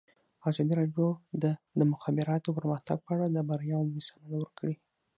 ازادي راډیو د د مخابراتو پرمختګ په اړه د بریاوو مثالونه ورکړي.